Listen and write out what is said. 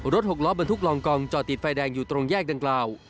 หกล้อบรรทุกลองกองจอดติดไฟแดงอยู่ตรงแยกดังกล่าว